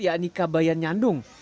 yakni kabayan nyandung